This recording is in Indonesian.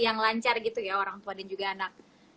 yang lancar gitu ya orang tua dan juga anak